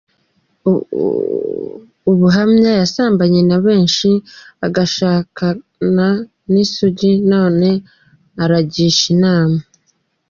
Ubuhamya: Yasambanye na benshi agashakana n’ isugi none aragisha inama.